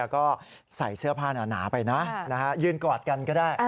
ก็ใส่เสื้อผ้าหนาไปนะยืนกอดกันก็ได้